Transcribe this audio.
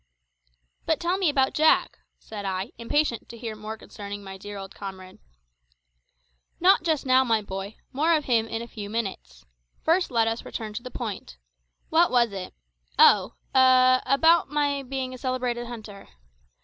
"But tell me about Jack," said I, impatient to hear more concerning my dear old comrade. "Not just now, my boy; more of him in a few minutes. First let us return to the point. What was it? Oh! a about my being a celebrated hunter.